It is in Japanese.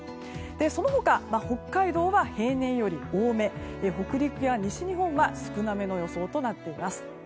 その他、北海道は平年より多めで北陸や西日本は少なめの予想となっています。